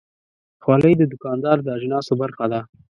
خولۍ د دوکاندار د اجناسو برخه ده.